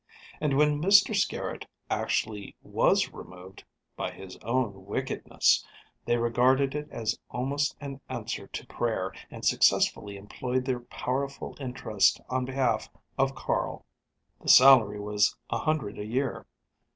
And when Mr Skerritt actually was removed, by his own wickedness, they regarded it as almost an answer to prayer, and successfully employed their powerful interest on behalf of Carl. The salary was a hundred a year.